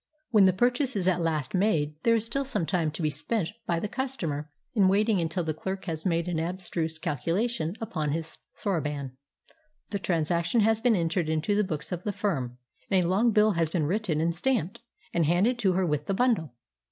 When the purchase is at last made, there is still some time to be spent by the customer in waiting until the clerk has made an abstruse calculation upon his soroban, the transaction has been entered in the books of the firm, and a long bill has been written and stamped, and handed to her with the bundle.